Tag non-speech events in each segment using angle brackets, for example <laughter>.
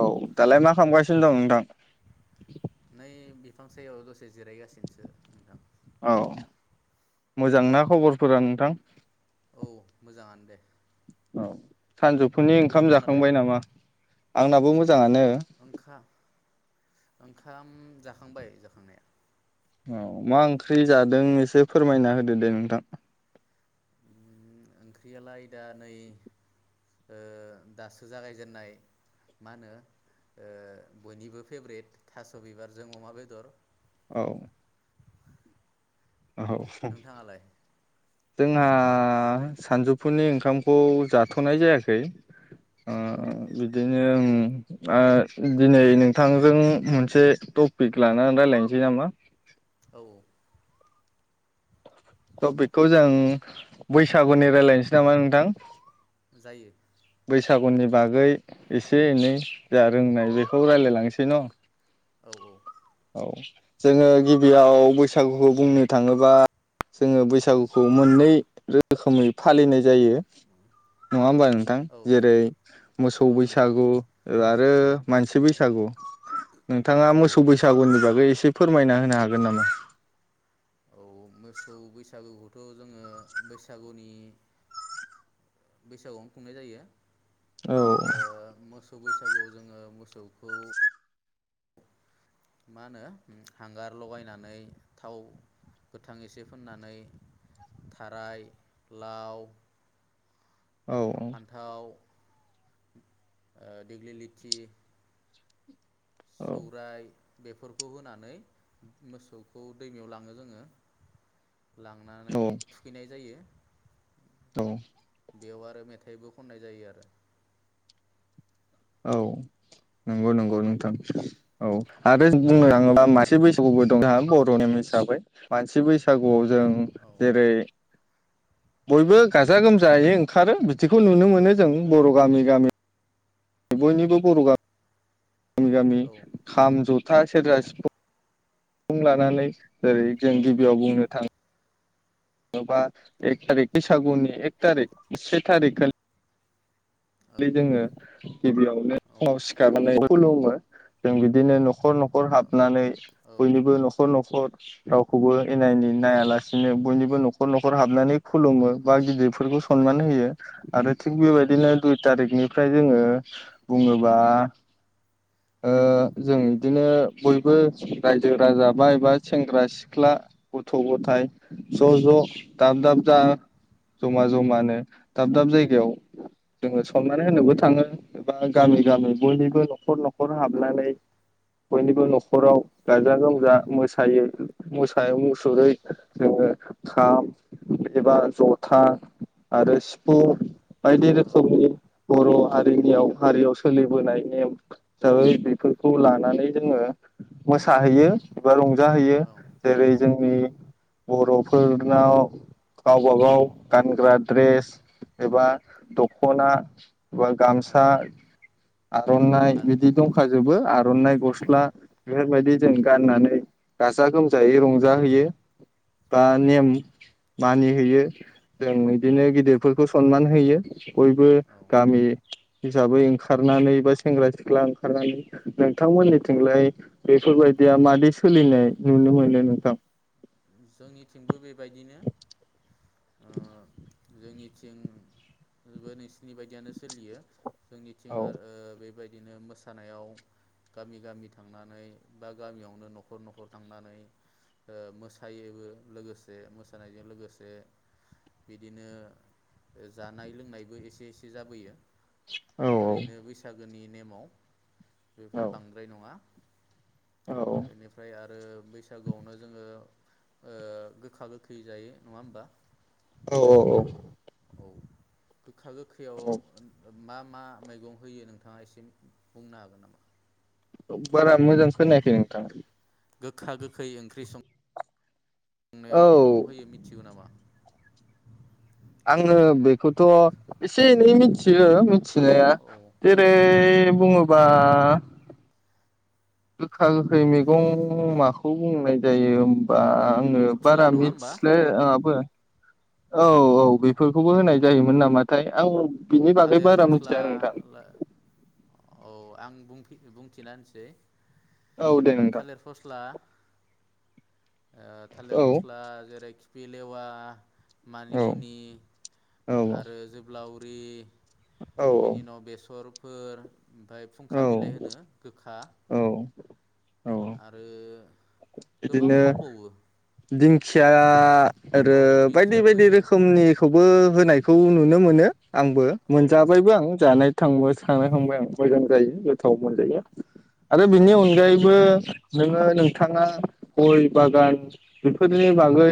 औ दालाय मा खालामगासिनो दं नोंथां नै बिफां सायाव दसे जिरायगासिनोसो नोंथां। औ मोजांना खबरफोरा नोंथां औ मोजाङानो दे औ सानजौफुनि ओंखाम नोंथांनालाय जाखांबाय नामा आंनाबो मो मोजाङानो ओंखा ओंखाम जाखांबाय जाखांनाया औ मा ओंख्रि जादों एसे फोरमायना होदो दे नोंथां ओंख्रियालाय दा नै ओ दासो जागायजेननाय मा होनो ओ‌ बयनिबो फेभ्रेट थास' बिबारजों अमा बेदर औ औ नोंथाङालाय जोंहा सानजौफुनि ओंखामखौ जाथ'नाय जायाखै औ ओ‌ नो ओ‌‌ दिनै नोंथांजों मोनसे टपिक लानानै रायज्लायनोसै नामा? औ टपिकखौ जों बैसागुनि रायजलायनोसै नामा नोंथां? जायो बैसागुनि बागै एसे एनै जा रोंनाय औ बेखौ रायजलायलांनोसगै सैन औ औ औ जोङो गिबियाव बैसागुखौ बुंनो थाङोबा जोङो बैसागुखौ मोननै रोखोमै फालिनाय जायो नङा होमबा नोंथां औ जेरै मोसौ औ नंगौ बैसागु आरो मानसि औ बैसागु नोंथाङा औ मोसौ बैसा सागुननि बागै एसे फोरमायना होनो हागोन नामा? औ मोसौ बैसागुखौथ जोङो बैसागुनि बैसागुआवनो खुंनाय जायो। औ ओ मोसौ बैसागुआव जोङो मोसौखौ मा होनो हांगार लगायनानै थाव गोथां एसे फोननानै थाराय लाव औ फान्थाव ओ देग्लिलिथि औ सौराय बेफोरखौ होनानै मोसौखौ दैमायाव लाङो जोङो। लांनानै थुखैनाय जायो। औ बेयाव आरो मेथाइबो खननाय जायो आरो। औ नंगौ नंगौ नोंथां औ आरो बुंनो थाङोबा मानसि बैसागुबो दं जोंहा बर' नेम हिसाबै मानसि बैसागुआव जों जेरै बयबो गाजा गोमजायै ओंखारो बिदिखौ नुनो मोनो जों बर' गामि गामि। बयनिबो बर' गा गामि गामि औ खाम जथा औ सेरजा सिफुं फुं लानानै जेरै जों औ गिबियाव बुंनो थाङो जेनबा एक थारिख बैसागुनि एक थारिक से थारिख खालि खालि जोङो गिबियावनो औ फुङाव सिखारनानै खुलुमो जों बिदिनो नखर नख खर हाबनानै औ बयनिबो नखर नखर रावखौबो एना एनि नायालासिनो बयनिबो नखर नखर हाबनानै खुलुमो बा गिदिर फोरखौ औ समान होयो आरो थिक औ बेबायदिनो दु थारिखनिफ्राय जोङो बुङोबा ओ जों बिदिनो बयबो रायजो राजा बा एबा सेंग्रा सिख्ला गथ गथाय ज ज दाम दाम जा जमा जमानो दाब दाब जायगायाव जोङो संनानै होनोबो थाङो। बा गामि गामि बयनिबो न नखर नखर हाबनानै बयनिबो नखराव गाजा गोमजा मोसायो मु बायाव मुसुरै जोङो खाम एबा जथा आरो सिफुं बायदिनो औ समनि बर' हारिनियाव हारियाव सोलिबोनाय नेम हिसाबै बेफोरखौ लानानै जोङो मोसाहैयो एबा रंजा जाहैयो औ जेरै जों जोंनि बर'फोरनाव गावब गाव गानग्रा ड्रेस एबा दख' खना बा गामसा औ आर'नाइ हाल बिदि दंखाजोबो आर'नाइ गस्ला औ बेफोरबायदि जों गाननानै गाजा गोमजायै रंजाहैयो बा नेम मानिहैयो। जों औ बिदिनो गिदिरफोरखौ सनमान होययो बयबो औ गामि हिसाबै ओंखारनानै बा सेंग्रा सिख्ला ओंखारनानै नोंथांमोननिथिंलाय बेफोरबायदिया मादि सोलिनाय नुनो मोनो नोंथां। जोंनिथिंबो बेबायदिनो ओ <unintelligible> जोंनिथिंबो नोंसिनि बायदियानो सोलियो। औ जोंनिथिंआ ओ बेबायदि बिदिनो मोसानायाव गामि गामि थांनानै बा गामियावनो न'खर न'खर थांनानै ओ मो मोसायोबो लोगोसे मोसानायजों लोगोसे बिदिनो जानाय लोंनायबो एसे एसे जाबोयो औ औ ओरैनो बैसागोनि माव बेफोर बांद्राय नङा औ बेनिफ्राय आरो बैसागुआवनो जोङो ओ गोखा गोखै जायो नङा होमबा? औ औ औ औ गोखा औ गोखैयाव मा मा मैगं होयो नोंथाङा एसे बुंनो हागोन नामा? बारा मोजां खोनाखै नोंथां गोखा गोखै ओंख्रि सं औ बुंनायाव बिंहैयो मिथिगौ नामा? आंङो बैखौथ' एसे एनै मिथियो। मिनथिनाया औ जेरै एसे बुङोबा गोखा गोखै मैगं माखौ बुंनाय जायो होमबा। ङो फस्ला बारा नङा होमबा मिथिलाय लाङाबो औ औ बे फोरखौबो औ होनाय जायोमोन नामाथाय? दाऔ बिनि बागै थालिर बारा फस्ला मिथिया नोंथां। औ आं बुं- बुंथिनानसै औ दे नोंथां थालिर फस्ला ओ थालिर औ फस्ला जेरैखि फिलेवा औ मानिमुनि औ आरो जोबलाव रि औ बिनि उनाव बेसर फोर ओमफाय औ फुंखा बिलाइ होनो गोखा औ औ आरो गोबां बिदिनो दंबावो दिंखिया औ आरो बायदि दिंखियाबो बायदि होयो रोखोमनिखौबो होनायखौ नुनो मोनो आंबो औ मोनजाबायबो आं जानाय थांबो <unintelligible> आं औ मोजां जायो गोथाव मोनजायो आरो औ बिनि औ अनगायैबो नोङो नोंथाङा गय बागान बेफोरनि बागै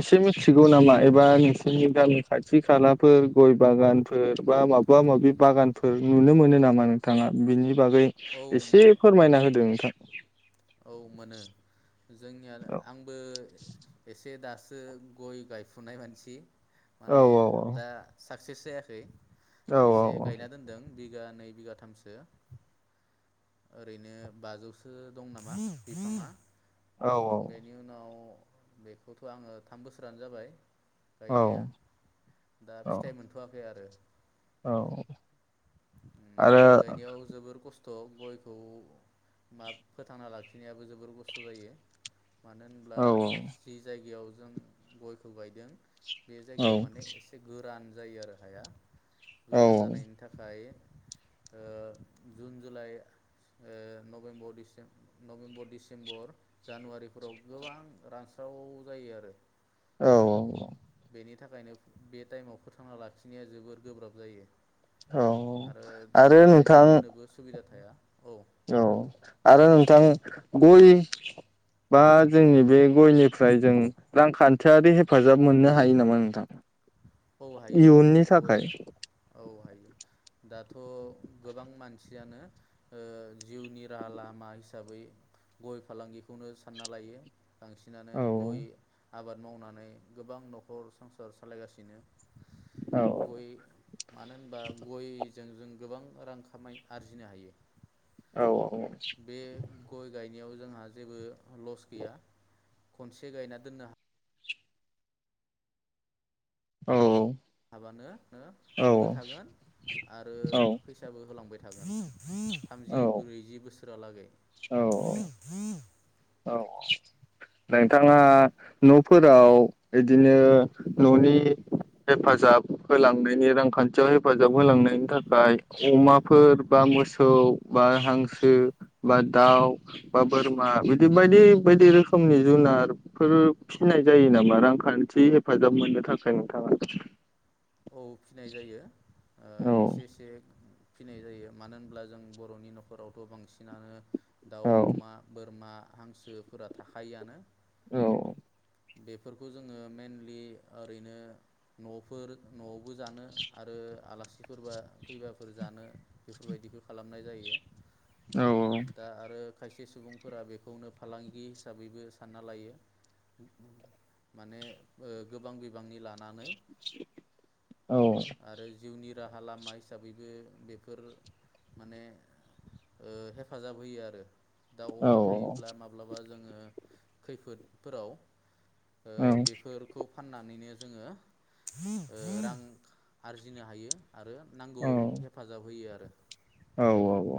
एसे मिथिगौ नामा एबा नोंसोरनि गामि खाथि खालाफोर गय बागानफोर बा माबा माबि बागानफोर नुनो मोनो नामा? मा नोंथाङा बिनि बागै औ एसे फोरमायना होदों नोंथां औ मोनो जोंनिया आंबो एसे दास गय गायफुनाय मानसि औ माने दा साख सेस जायाखै औ एसे गायना दोनदों बिगा नै बिगाथामसो ओरैनो बाजौसो दं नामा <inaudible> बिफाङा औ बेनि उनाव बेखौथ' आङो थाम बोसोरानो जाबाय गायनाया दा औ औ फिथाइ मोनथ'वाखै आरो औ ओम आरो गय गायनायाव जोबोर खस्थ' खस्थ' गयखौ मा फोथांना लाखिनायाबो जोबोर खस्थ' जायो मानो होनब्ला औ जि जायगायाव जों गयखौ गायदों बे जायगायाव माने एसे गो रान जायो आरो हाया औ गोरान जानायनि था खाय ओ जुन जुलाइ ओ नभेम्बर डिसे नभेम्बर डिसेम्बर जानुवारिफोराव गोबां रानस्राव जायो आरो औ औ औ बेनि थाखायनो बे टाइमाव फोथांना लाखिनाया जोबोर गोब्राब जायो औ आरो आरो बांद्राय दै नोंथां होनोबो सुबिदा थाया औ औ बुं आरो नोंथां गय बा जोंनि बे गयनिफ्राय जों रांखान्थियारि हेफाजाब मोननो हायो नामा नोंथां औ हायो इयुननि गय थाखाय औ हायो दाथ' गोबां मानसियानो ओ जिउनि राहा लामा हिसाबै गय फालांगिखौनो सानना लायो बांसिनानो औ गय आबाद मावनानै गोबां न'खर संसार सालायगासिनो औ गय मानो होनबा गय जों जों गोबां रां खामाय आरजिनो हायो औ बे गय गायनायाव जों हा जेबो लस गैया खनसे गायना दोननो औ हाबानो औ गोजोर थागोन आरो फैसाबो होलांबाय थागोन थामजि ब्रैजि बोसोरालागै औ औ नोंथाङा न'फोराव बिदिनो न'नि हेफाजाब होलांनायनि रांखान्थियाव हेफाजाब होलांनायनि थाखाय अमाफोर बा मोसौ बा हांसो बा दाउ बा बोरमा बि दि बायदि बायदि रोखोमनि जुनारफोर फिनाय जायो नामा रांखान्थि हेफाजाब मोननो थाखाय नोंथाङा औ फिसिनाय जायो ओ औ एसे एसे फिसिनाय जायो मानो होनब्ला जों बर'नि न'खरावथ' बांसिनानो दाउ औ अमा बोरमा हांसोफोरा थाखायोआनो औ बेफोरखौ जोङो मेइनलि ओरैनो न'फोर न'आवबो जानो आरो आलासिफोरबा फैबाफोर जानो बेफोरबायदिखौ खालामनाय जायो औ दा आरो खायसे सुबुंफोरा बेखौनो फालांगि हिसाबैबो सानना लायो माने गोबां बिबांनि लानानै औ आरो जिउनि राहा लामा हिसाबैबो बेफोर माने ओ हेफाजाब होयो आरो दाउ औ अमा थायोब्ला औ माब्लाबा जोङो खैफोदफोराव ओ बेफोरखौ फाननानैनो जोङो ओ रां आरजिनो हायो आरो नांगौआव हेफाजाब होयो आरो औ औ औ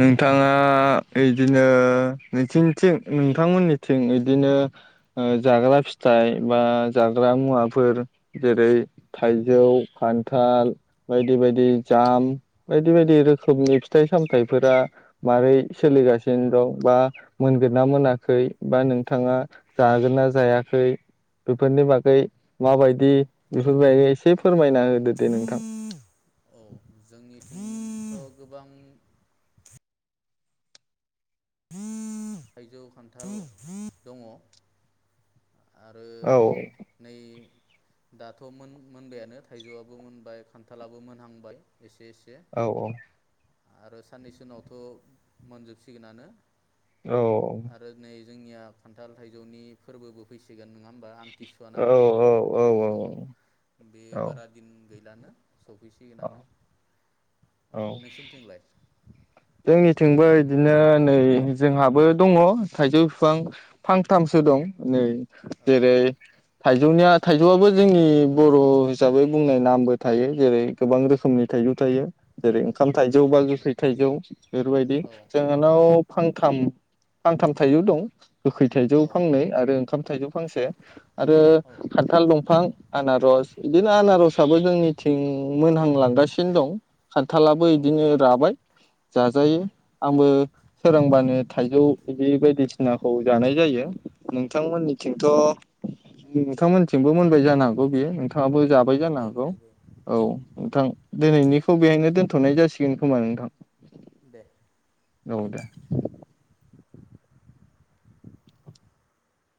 नोंथाङा इदिनो नथिंथिं नोंथांमोननिथिं इदिनो जाग्रा फिथाइ बा जाग्रा मुवाफोर जेरै थाइजौ खान्थाल बायदि बायदि जाम बायदि बायदि औ रोखोमनि फिथाइ सामथायाइफोरा मारै सोलिगासिनो दं बा मोनगोन ना मोनाखै बा नोंथाङा जागोन ना जायाखै बेफोरनि बागै माबायदि बेफोरबायागदि एसे फोरमायना होदो दे नोंथां औ गोबां थाइजौ खान्थाल दङ आरो औ नै दाथ' मोन मोनबायानो थाइजौआबो मोनबाय खान्थालाबो मोनहांबाय एसे एसे औ औ आरो साननैसो उनावथ' मोनजोबसिगोनानो औ आरो नै जोंनिया खान्थाल थाइजौनि फोरबो फैसिगोन नङा होम बा आमथिसुवा ना मा होनो औ औ बेखौ औ बे औ बारा दिन गैलानो सफैसिगोनानो औ औ नोंसिनिथिंलाय जोंनिथिंबो बिदिनो नै जोंहाबो दङ थाइजौ बिफां फांथामसो दं नै औ जेरै थाइजौनिया थाइजौआबो जोंनि बर' हिसाबै बुंनाय नामबो थायो जेरै गोबां रोखोमनि थाइजौ थायो जेरै ओंखाम औ थाइजौ बा गोखै थाइजौ बेफोरबायदि औ जोंहानाव फांथाम फांथाम थाइजौ दं गोखै थाइजौ औ फांनै आरो ओंखाम थाइजौ फांसे आरो औ खानथाल दंफां आनारस बिदिनो आनारसाबो जोंनिथिं मोनहांलां गासिनो दं खान्थालाबो औ बिदिनो राबाय जा औ जायो आंबो सोरांबानो थाइजौ बिदि बायदिसिनाखौ जानाय जायो। औ नोंथांमोननिथिं थ नोंथांमोनथिंबो मोनबाय जानो हागौ बियो। औ नोंथाङाबो जाबाय जानो मोनजोब्बाय हागौ मोनजोब्बाय औ नोंथां दिनैनि खौ बेेहायनो दोनथनाय जासिगोन खोमा नोंथां। दे औ दे